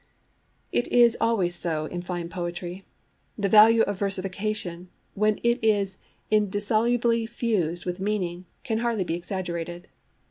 It is always so in fine poetry. The value of versification, when it is indissolubly fused with meaning, can hardly be exaggerated.